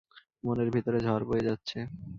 মনের ভিতরে ঝড় বয়ে যাচ্ছে।